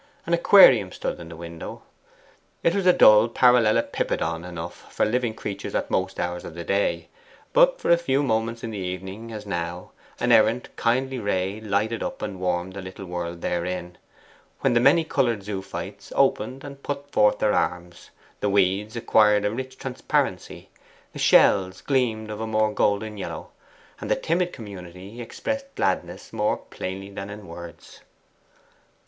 An aquarium stood in the window. It was a dull parallelopipedon enough for living creatures at most hours of the day; but for a few minutes in the evening, as now, an errant, kindly ray lighted up and warmed the little world therein, when the many coloured zoophytes opened and put forth their arms, the weeds acquired a rich transparency, the shells gleamed of a more golden yellow, and the timid community expressed gladness more plainly than in words.